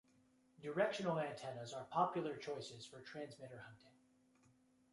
Directional antennas are popular choices for transmitter hunting.